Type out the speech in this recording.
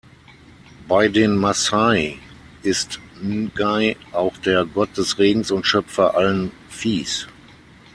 Bei den Massai ist Ngai auch der Gott des Regens und Schöpfer allen Viehs.